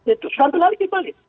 itu sebaliknya kembali